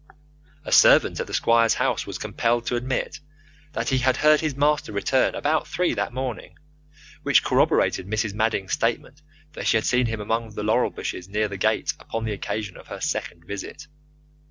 A servant at the squire's house was compelled to admit that he had heard his master return about three that morning, which corroborated Mrs. Madding's statement that she had seen him among the laurel bushes near the gate upon the occasion of her second visit.